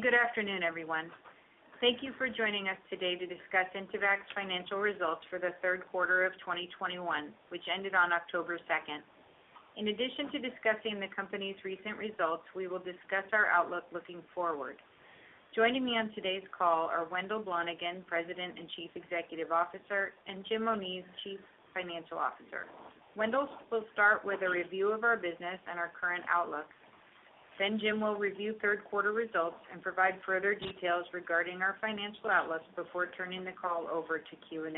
Good afternoon, everyone. Thank you for joining us today to discuss Intevac's financial results for the third quarter of 2021, which ended on October 2nd. In addition to discussing the company's recent results, we will discuss our outlook looking forward. Joining me on today's call are Wendell Blonigan, President and Chief Executive Officer, and Jim Moniz, Chief Financial Officer. Wendell will start with a review of our business and our current outlook. Jim will review third quarter results and provide further details regarding our financial outlook before turning the call over to Q&A.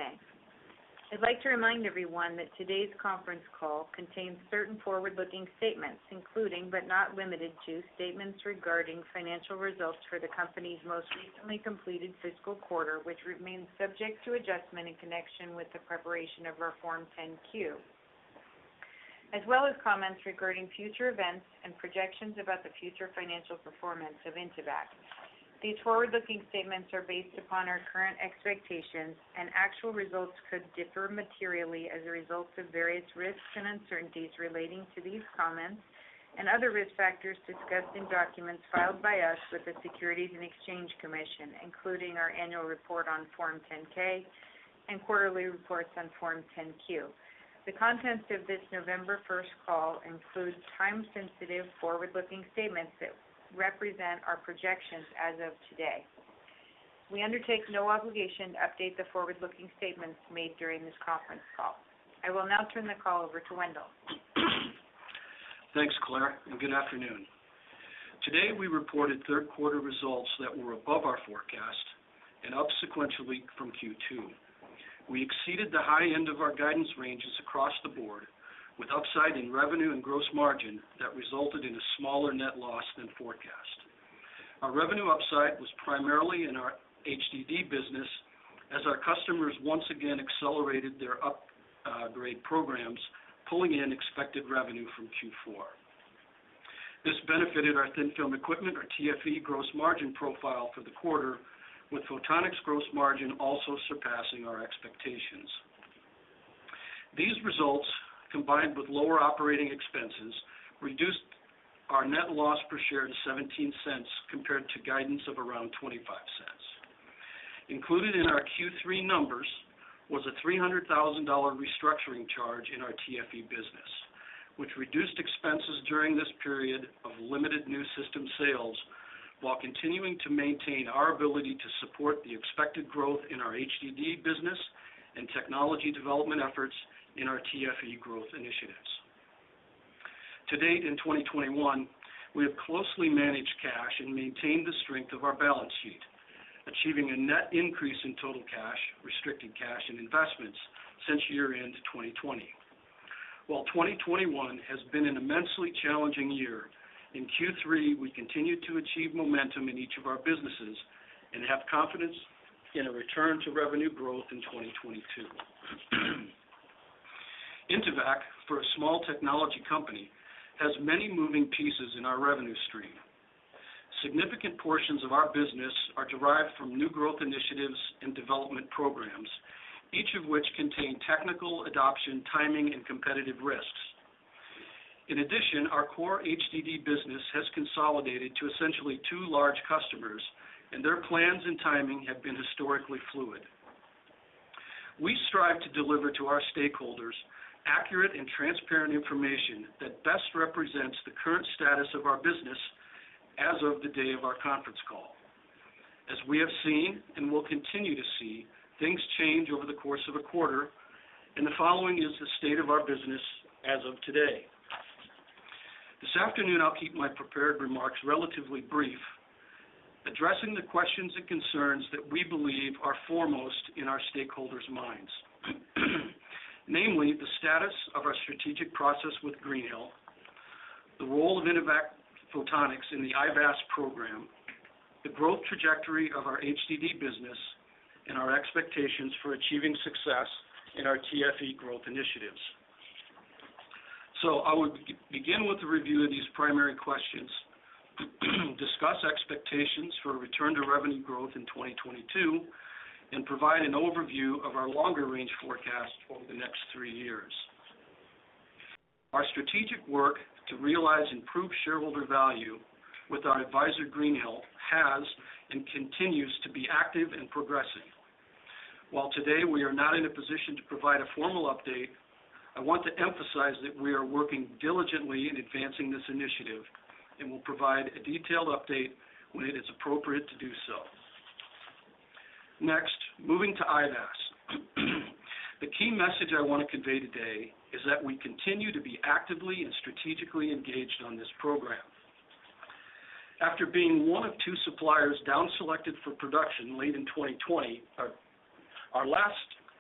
I'd like to remind everyone that today's conference call contains certain forward-looking statements, including, but not limited to, statements regarding financial results for the company's most recently completed fiscal quarter, which remains subject to adjustment in connection with the preparation of our Form 10-Q, as well as comments regarding future events and projections about the future financial performance of Intevac. These forward-looking statements are based upon our current expectations, and actual results could differ materially as a result of various risks and uncertainties relating to these comments and other risk factors discussed in documents filed by us with the Securities and Exchange Commission, including our annual report on Form 10-K and quarterly reports on Form 10-Q. The contents of this November first call include time-sensitive forward-looking statements that represent our projections as of today. We undertake no obligation to update the forward-looking statements made during this conference call. I will now turn the call over to Wendell. Thanks, Claire, and good afternoon. Today, we reported third quarter results that were above our forecast and up sequentially from Q2. We exceeded the high end of our guidance ranges across the board with upside in revenue and gross margin that resulted in a smaller net loss than forecast. Our revenue upside was primarily in our HDD business as our customers once again accelerated their upgrade programs, pulling in expected revenue from Q4. This benefited our thin-film equipment or TFE gross margin profile for the quarter, with Photonics' gross margin also surpassing our expectations. These results, combined with lower operating expenses, reduced our net loss per share to $0.17 compared to guidance of around $0.25. Included in our Q3 numbers was a $300,000 restructuring charge in our TFE business, which reduced expenses during this period of limited new system sales, while continuing to maintain our ability to support the expected growth in our HDD business and technology development efforts in our TFE growth initiatives. To date, in 2021, we have closely managed cash and maintained the strength of our balance sheet, achieving a net increase in total cash, restricted cash, and investments since year-end 2020. While 2021 has been an immensely challenging year, in Q3, we continued to achieve momentum in each of our businesses and have confidence in a return to revenue growth in 2022. Intevac, for a small technology company, has many moving pieces in our revenue stream. Significant portions of our business are derived from new growth initiatives and development programs, each of which contain technical adoption, timing, and competitive risks. In addition, our core HDD business has consolidated to essentially two large customers, and their plans and timing have been historically fluid. We strive to deliver to our stakeholders accurate and transparent information that best represents the current status of our business as of the day of our conference call. As we have seen and will continue to see, things change over the course of a quarter, and the following is the state of our business as of today. This afternoon, I'll keep my prepared remarks relatively brief, addressing the questions and concerns that we believe are foremost in our stakeholders' minds. Namely, the status of our strategic process with Greenhill, the role of Intevac Photonics in the IVAS program, the growth trajectory of our HDD business, and our expectations for achieving success in our TFE growth initiatives. I would begin with a review of these primary questions, discuss expectations for a return to revenue growth in 2022, and provide an overview of our longer-range forecast over the next three years. Our strategic work to realize improved shareholder value with our advisor, Greenhill, has and continues to be active and progressing. While today we are not in a position to provide a formal update, I want to emphasize that we are working diligently in advancing this initiative and will provide a detailed update when it is appropriate to do so. Next, moving to IVAS. The key message I want to convey today is that we continue to be actively and strategically engaged on this program. After being one of two suppliers down-selected for production late in 2020,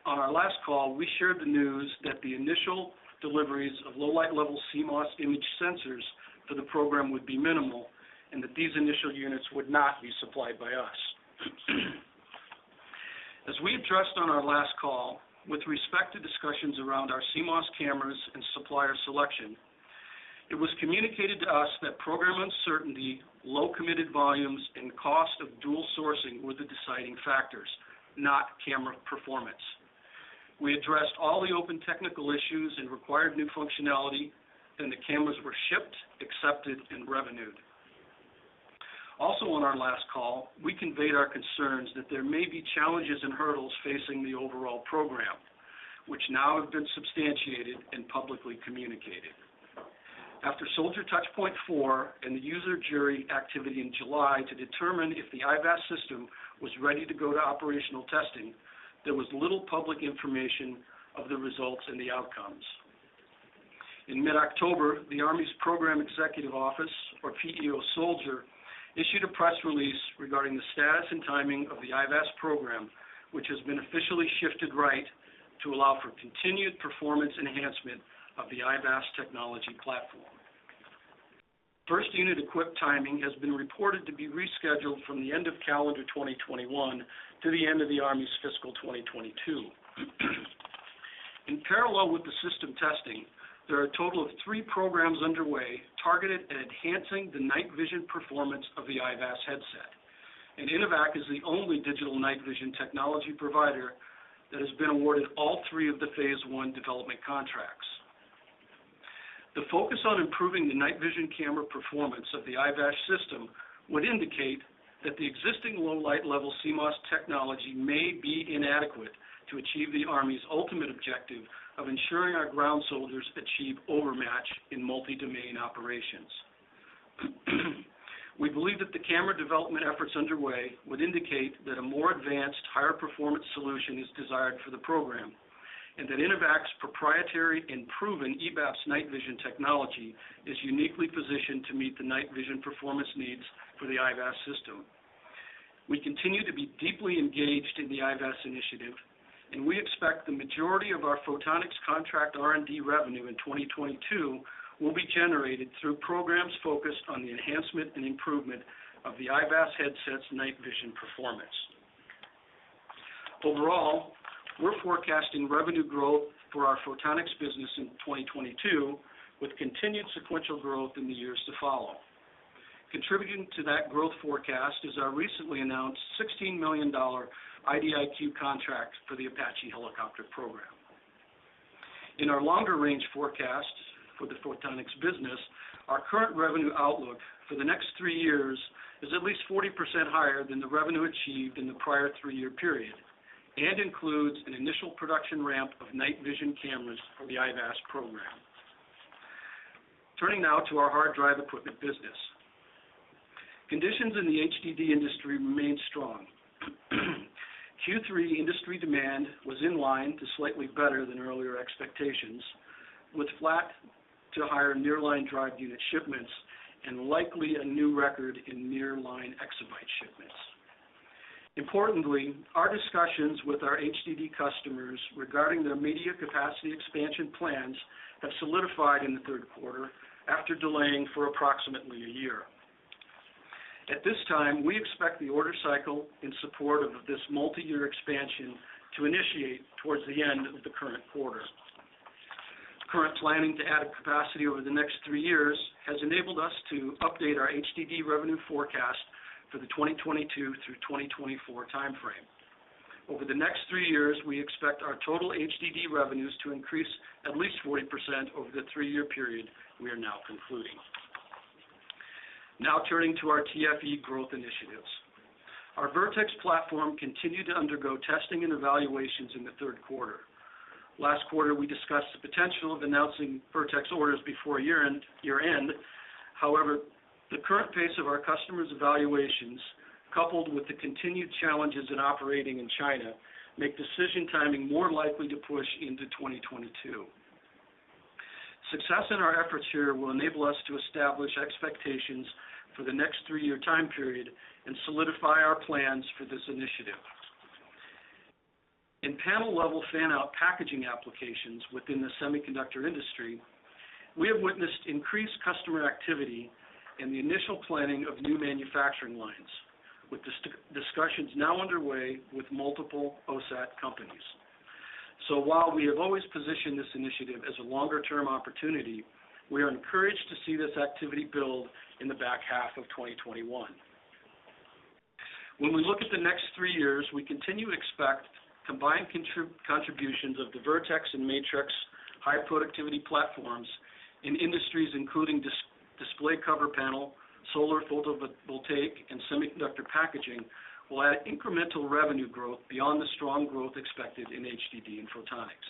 on our last call, we shared the news that the initial deliveries of low light level CMOS image sensors for the program would be minimal, and that these initial units would not be supplied by us. As we addressed on our last call, with respect to discussions around our CMOS cameras and supplier selection, it was communicated to us that program uncertainty, low committed volumes, and cost of dual sourcing were the deciding factors, not camera performance. We addressed all the open technical issues and required new functionality, and the cameras were shipped, accepted, and revenued. On our last call, we conveyed our concerns that there may be challenges and hurdles facing the overall program, which now have been substantiated and publicly communicated. After Soldier Touchpoint 4 and the user jury activity in July to determine if the IVAS system was ready to go to operational testing, there was little public information of the results and the outcomes. In mid-October, the Army's Program Executive Office, or PEO Soldier, issued a press release regarding the status and timing of the IVAS program, which has been officially shifted right to allow for continued performance enhancement of the IVAS technology platform. First unit equip timing has been reported to be rescheduled from the end of calendar 2021 to the end of the Army's fiscal 2022. In parallel with the system testing, there are a total of three programs underway targeted at enhancing the night vision performance of the IVAS headset, and Intevac is the only digital night vision technology provider that has been awarded all three of the phase I development contracts. The focus on improving the night vision camera performance of the IVAS system would indicate that the existing low light level CMOS technology may be inadequate to achieve the Army's ultimate objective of ensuring our ground soldiers achieve overmatch in multi-domain operations. We believe that the camera development efforts underway would indicate that a more advanced, higher performance solution is desired for the program, and that Intevac's proprietary and proven EBAPS night vision technology is uniquely positioned to meet the night vision performance needs for the IVAS system. We continue to be deeply engaged in the IVAS initiative, and we expect the majority of our Photonics contract R&D revenue in 2022 will be generated through programs focused on the enhancement and improvement of the IVAS headset's night vision performance. Overall, we're forecasting revenue growth for our Photonics business in 2022, with continued sequential growth in the years to follow. Contributing to that growth forecast is our recently announced $16 million IDIQ contract for the Apache helicopter program. In our longer-range forecasts for the Photonics business, our current revenue outlook for the next three years is at least 40% higher than the revenue achieved in the prior three-year period and includes an initial production ramp of night vision cameras for the IVAS program. Turning now to our hard drive equipment business. Conditions in the HDD industry remain strong. Q3 industry demand was in line to slightly better than earlier expectations, with flat to higher nearline drive unit shipments and likely a new record in nearline exabyte shipments. Importantly, our discussions with our HDD customers regarding their media capacity expansion plans have solidified in the third quarter after delaying for approximately a year. At this time, we expect the order cycle in support of this multi-year expansion to initiate towards the end of the current quarter. Current planning to add capacity over the next three years has enabled us to update our HDD revenue forecast for the 2022 through 2024 time frame. Over the next three years, we expect our total HDD revenues to increase at least 40% over the three-year period we are now concluding. Now turning to our TFE growth initiatives. Our Vertex platform continued to undergo testing and evaluations in the third quarter. Last quarter, we discussed the potential of announcing Vertex orders before year end. However, the current pace of our customers' evaluations, coupled with the continued challenges in operating in China, make decision timing more likely to push into 2022. Success in our efforts here will enable us to establish expectations for the next three-year time period and solidify our plans for this initiative. In panel-level fan-out packaging applications within the semiconductor industry, we have witnessed increased customer activity in the initial planning of new manufacturing lines, with discussions now underway with multiple OSAT companies. While we have always positioned this initiative as a longer-term opportunity, we are encouraged to see this activity build in the back half of 2021. When we look at the next three years, we continue to expect combined contributions of the Vertex and Matrix high productivity platforms in industries including display cover panel, solar photovoltaic, and semiconductor packaging will add incremental revenue growth beyond the strong growth expected in HDD and Photonics.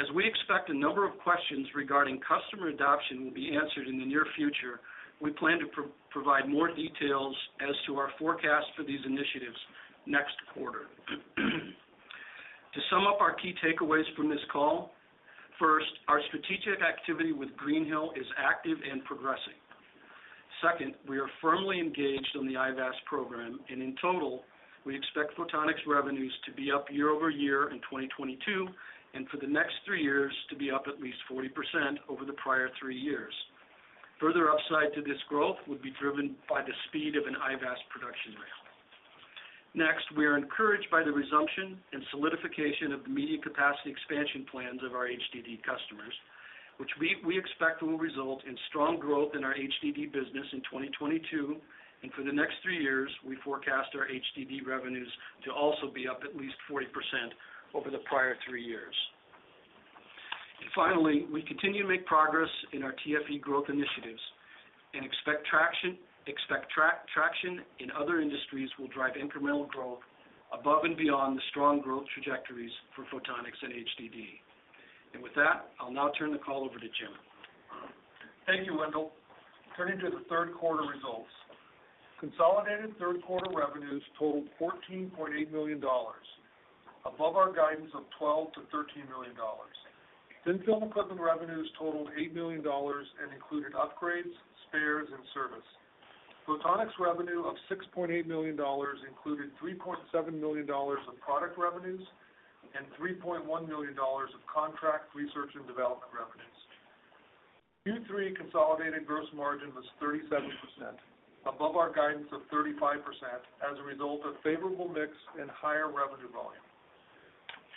As we expect a number of questions regarding customer adoption will be answered in the near future, we plan to provide more details as to our forecast for these initiatives next quarter. To sum up our key takeaways from this call, first, our strategic activity with Greenhill is active and progressing. Second, we are firmly engaged on the IVAS program, and in total, we expect Photonics revenues to be up year-over-year in 2022, and for the next three years to be up at least 40% over the prior three years. Further upside to this growth would be driven by the speed of an IVAS production ramp. Next, we are encouraged by the resumption and solidification of the media capacity expansion plans of our HDD customers, which we expect will result in strong growth in our HDD business in 2022, and for the next three years, we forecast our HDD revenues to also be up at least 40% over the prior three years. Finally, we continue to make progress in our TFE growth initiatives and expect traction in other industries will drive incremental growth above and beyond the strong growth trajectories for Photonics and HDD. With that, I'll now turn the call over to Jim. Thank you, Wendell. Turning to the third quarter results. Consolidated third quarter revenues totaled $14.8 million, above our guidance of $12 million-$13 million. Thin-film equipment revenues totaled $8 million and included upgrades, spares, and service. Photonics revenue of $6.8 million included $3.7 million of product revenues and $3.1 million of contract research and development revenues. Q3 consolidated gross margin was 37%, above our guidance of 35%, as a result of favorable mix and higher revenue volume.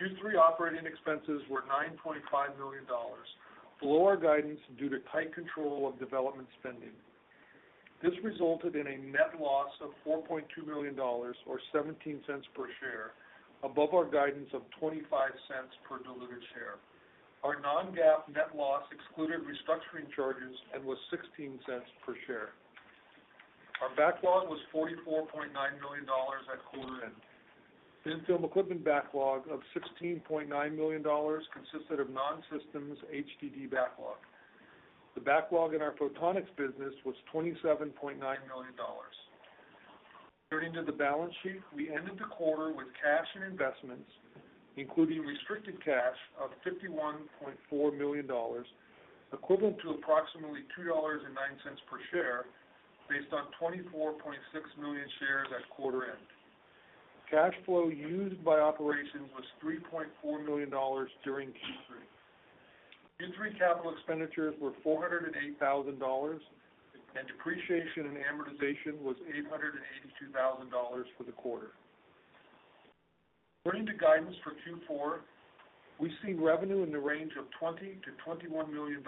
Q3 operating expenses were $9.5 million, below our guidance due to tight control of development spending. This resulted in a net loss of $4.2 million or $0.17 per share, above our guidance of $0.25 per diluted share. Our non-GAAP net loss excluded restructuring charges and was $0.16 per share. Our backlog was $44.9 million at quarter end. Thin-film equipment backlog of $16.9 million consisted of non-systems HDD backlog. The backlog in our Photonics business was $27.9 million. Turning to the balance sheet, we ended the quarter with cash and investments, including restricted cash of $51.4 million, equivalent to approximately $2.09 per share based on 24.6 million shares at quarter end. Cash flow used by operations was $3.4 million during Q3. Q3 capital expenditures were $408,000, and depreciation and amortization was $882,000 for the quarter. Turning to guidance for Q4, we see revenue in the range of $20 million-$21 million.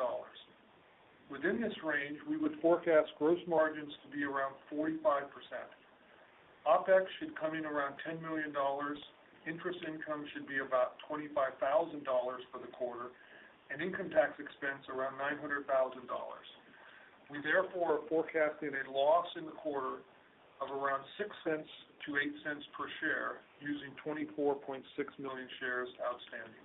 Within this range, we would forecast gross margins to be around 45%. OpEx should come in around $10 million. Interest income should be about $25,000 for the quarter, and income tax expense around $900,000. We therefore are forecasting a loss in the quarter of around $0.06-$0.08 per share using 24.6 million shares outstanding.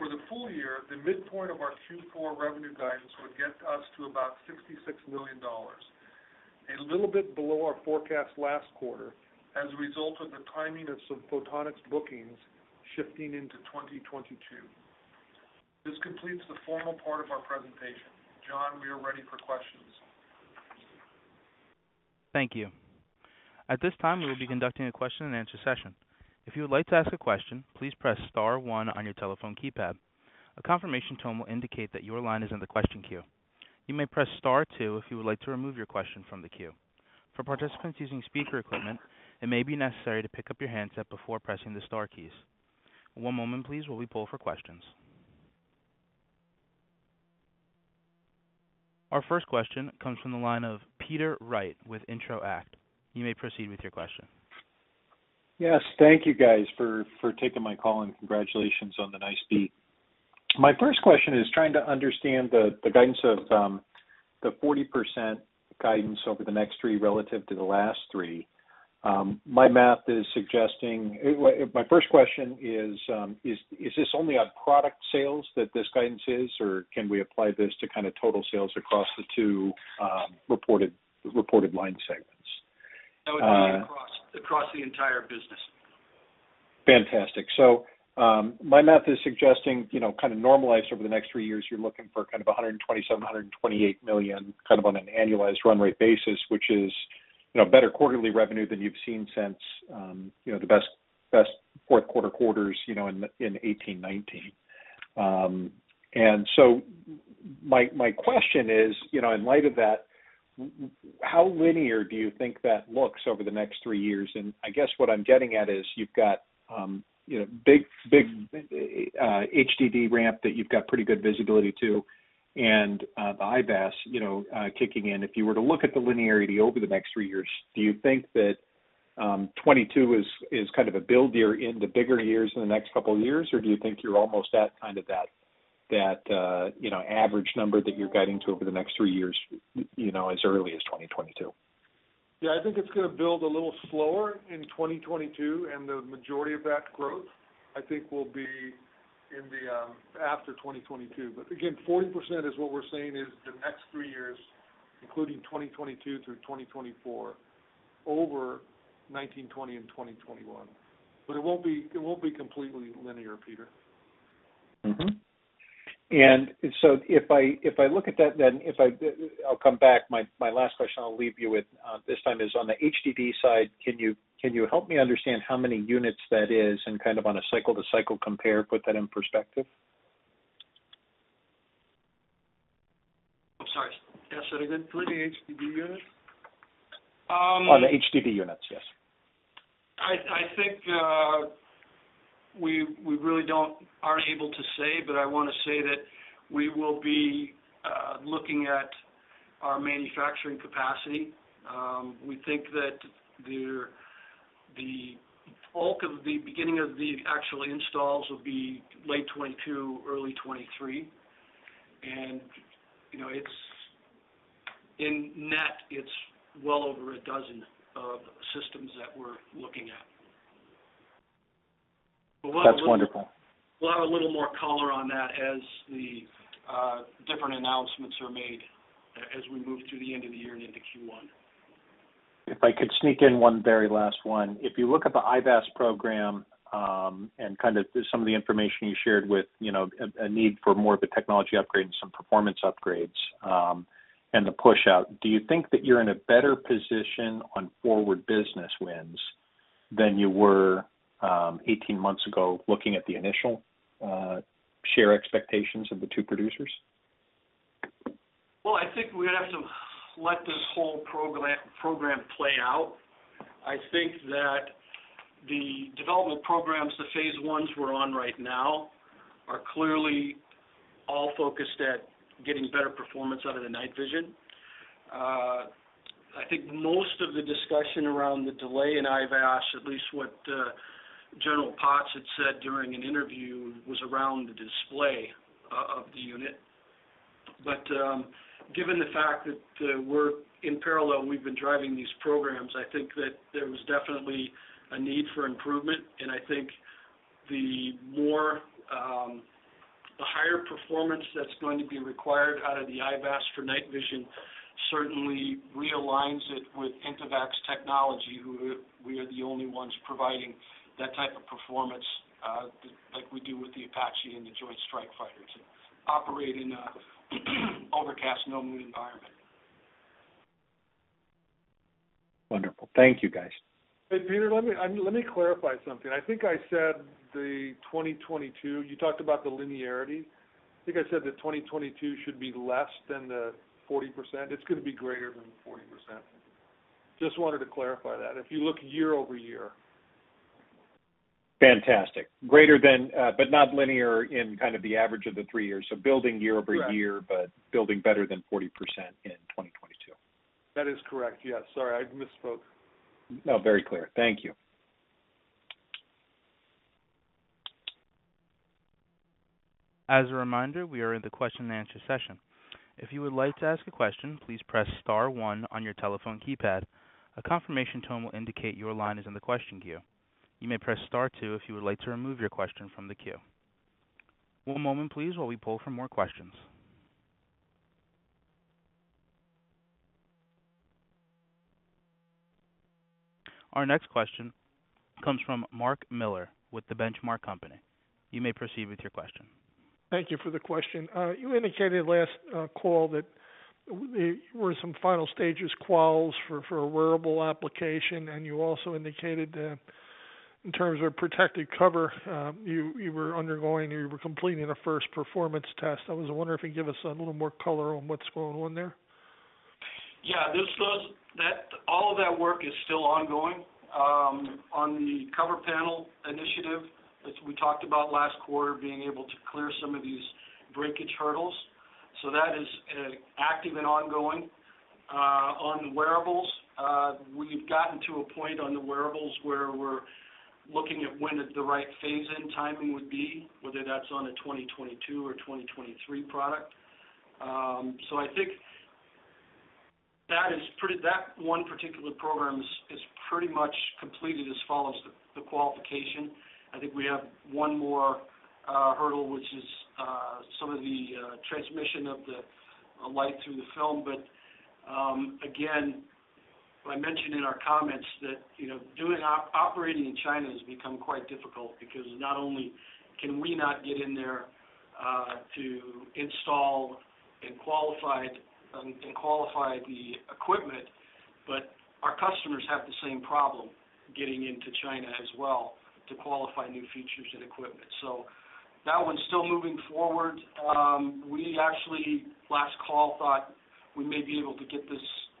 For the full year, the midpoint of our Q4 revenue guidance would get us to about $66 million, a little bit below our forecast last quarter as a result of the timing of some Photonics bookings shifting into 2022. This completes the formal part of our presentation. John, we are ready for questions. Thank you. At this time, we will be conducting a question and answer session. If you would like to ask a question, please press star one on your telephone keypad. A confirmation tone will indicate that your line is in the question queue. You may press star two if you would like to remove your question from the queue. For participants using speaker equipment, it may be necessary to pick up your handset before pressing the star keys. One moment please, while we poll for questions. Our first question comes from the line of Peter Wright with Intro-act. You may proceed with your question. Yes. Thank you guys for taking my call and congratulations on the nice beat. My first question is trying to understand the guidance of the 40% guidance over the next three relative to the last three. My first question is this only on product sales that this guidance is, or can we apply this to kind of total sales across the two reported line segments? That would be across the entire business. Fantastic. My math is suggesting, you know, kind of normalized over the next three years, you're looking for kind of $127 million-$128 million, kind of on an annualized run rate basis, which is, you know, better quarterly revenue than you've seen since, you know, the best fourth quarters, you know, in 2018-2019. My question is, you know, in light of that, how linear do you think that looks over the next three years? I guess what I'm getting at is you've got big HDD ramp that you've got pretty good visibility to, and the IVAS kicking in. If you were to look at the linearity over the next three years, do you think that 2022 is kind of a build year into bigger years in the next couple of years? Or do you think you're almost at kind of that you know average number that you're guiding to over the next three years, you know, as early as 2022? Yeah. I think it's gonna build a little slower in 2022, and the majority of that growth, I think, will be in the after 2022. Again, 40% is what we're saying is the next three years, including 2022 through 2024 over 2019-2020 and 2021. It won't be completely linear, Peter. If I look at that, I'll come back. My last question I'll leave you with this time is on the HDD side. Can you help me understand how many units that is and kind of on a cycle-to-cycle compare, put that in perspective? I'm sorry. Say that again, please. The HDD units. Um. On the HDD units, yes. I think we really aren't able to say, but I wanna say that we will be looking at our manufacturing capacity. We think that the bulk of the beginning of the actual installs will be late 2022, early 2023. You know, it's well over a dozen of systems that we're looking at. But we'll- That's wonderful. We'll have a little more color on that as the different announcements are made as we move through the end of the year and into Q1. If I could sneak in one very last one. If you look at the IVAS program, and kind of some of the information you shared with, you know, a need for more of a technology upgrade and some performance upgrades, and the push out. Do you think that you're in a better position on forward business wins than you were, 18 months ago, looking at the initial share expectations of the two producers? Well, I think we're gonna have to let this whole program play out. I think that the development programs, the phase Is we're on right now, are clearly all focused at getting better performance out of the night vision. I think most of the discussion around the delay in IVAS, at least what General Potts had said during an interview, was around the display of the unit. Given the fact that we're in parallel, we've been driving these programs, I think that there was definitely a need for improvement. I think the higher performance that's going to be required out of the IVAS for night vision certainly realigns it with Intevac's technology, who we are the only ones providing that type of performance, like we do with the Apache and the Joint Strike Fighters operating, overcast, no moon environment. Wonderful. Thank you, guys. Hey, Peter, let me clarify something. I think I said the 2022. You talked about the linearity. I think I said that 2022 should be less than the 40%. It's gonna be greater than 40%. Just wanted to clarify that if you look year-over-year. Fantastic. Greater than, but not linear in kind of the average of the three years. Building year-over-year- Correct. building better than 40% in 2022. That is correct. Yes. Sorry, I misspoke. No, very clear. Thank you. As a reminder, we are in the question and answer session. If you would like to ask a question, please press star one on your telephone keypad. A confirmation tone will indicate your line is in the question queue. You may press star two if you would like to remove your question from the queue. One moment, please, while we pull for more questions. Our next question comes from Mark Miller with The Benchmark Company. You may proceed with your question. Thank you for the question. You indicated last call that there were some final stages quals for a wearable application, and you also indicated that in terms of protective cover, you were undergoing or you were completing a first performance test. I was wondering if you could give us a little more color on what's going on there. Yeah. All of that work is still ongoing. On the cover panel initiative, as we talked about last quarter, being able to clear some of these breakage hurdles, that is active and ongoing. On the wearables, we've gotten to a point on the wearables where we're looking at when the right phase-in timing would be, whether that's on a 2022 or 2023 product. I think that one particular program is pretty much completed as far as the qualification. I think we have one more hurdle, which is some of the transmission of the light through the film. Again, I mentioned in our comments that, you know, operating in China has become quite difficult because not only can we not get in there to install and qualify it and qualify the equipment, but our customers have the same problem getting into China as well to qualify new features and equipment. So that one's still moving forward. We actually, last call, thought we may be able to get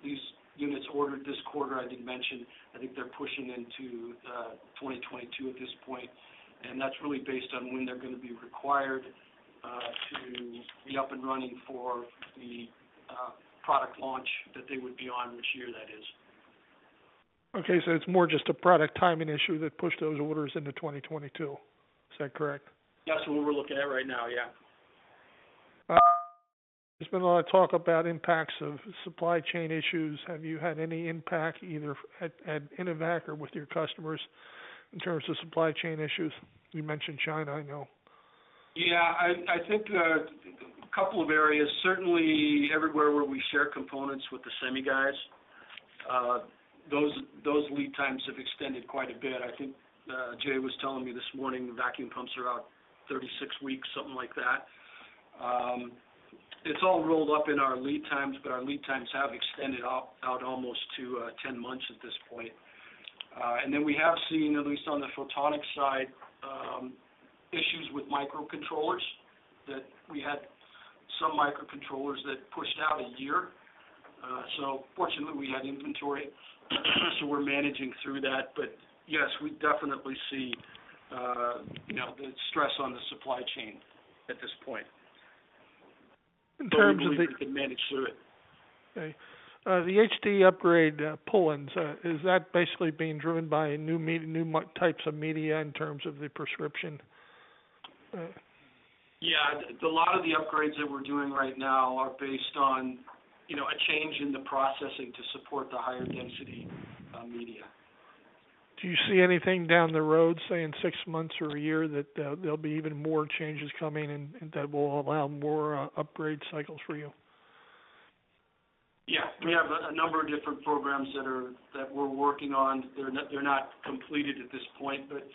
these units ordered this quarter, I did mention. I think they're pushing into 2022 at this point. That's really based on when they're gonna be required to be up and running for the product launch that they would be on, which year that is. Okay. It's more just a product timing issue that pushed those orders into 2022. Is that correct? That's what we're looking at right now, yeah. There's been a lot of talk about impacts of supply chain issues. Have you had any impact either at Intevac or with your customers in terms of supply chain issues? You mentioned China, I know. Yeah, I think a couple of areas. Certainly everywhere where we share components with the semi guys, those lead times have extended quite a bit. I think Jay was telling me this morning, the vacuum pumps are out 36 weeks, something like that. It's all rolled up in our lead times, but our lead times have extended out almost to 10 months at this point. We have seen, at least on the photonics side, some microcontrollers that pushed out 1 year. Fortunately, we had inventory, so we're managing through that. Yes, we definitely see, you know, the stress on the supply chain at this point. In terms of the- We believe we can manage through it. Okay. The HDD upgrade pull-ins, is that basically being driven by new types of media in terms of the specification? Yeah. A lot of the upgrades that we're doing right now are based on, you know, a change in the processing to support the higher density, media. Do you see anything down the road, say in six months or a year, that there'll be even more changes coming and that will allow more upgrade cycles for you? Yeah. We have a number of different programs that we're working on. They're not completed at this point, but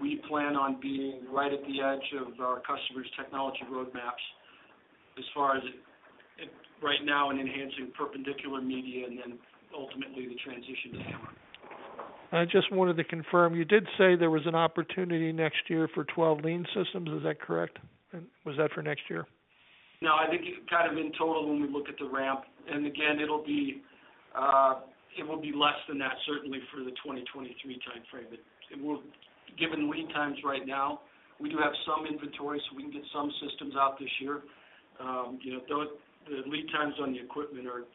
we plan on being right at the edge of our customers' technology roadmaps as far as it right now and enhancing perpendicular media and then ultimately the transition to HAMR. I just wanted to confirm, you did say there was an opportunity next year for 12 Lean systems. Is that correct? Was that for next year? No, I think kind of in total when we look at the ramp, and again, it'll be, it will be less than that certainly for the 2023 time frame. Given lead times right now, we do have some inventory, so we can get some systems out this year. You know, though the lead times on the equipment are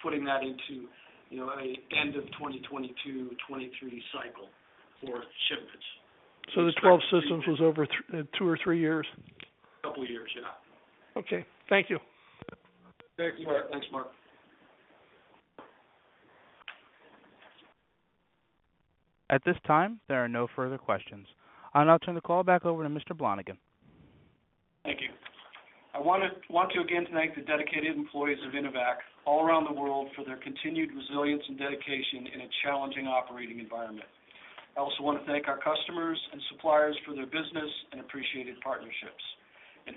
putting that into, you know, an end of 2022, 2023 cycle for shipments. The 12 systems was over two or three years? A couple of years, yeah. Okay. Thank you. Thank you. Thanks, Mark. At this time, there are no further questions. I'll now turn the call back over to Wendell Blonigan. Thank you. I want to again thank the dedicated employees of Intevac all around the world for their continued resilience and dedication in a challenging operating environment. I also want to thank our customers and suppliers for their business and appreciated partnerships.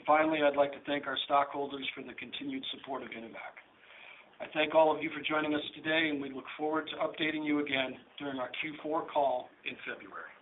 Finally, I'd like to thank our stockholders for the continued support of Intevac. I thank all of you for joining us today, and we look forward to updating you again during our Q4 call in February.